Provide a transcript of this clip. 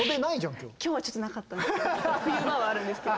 今日はちょっとなかったんですよね。